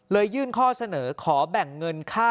ยื่นข้อเสนอขอแบ่งเงินค่า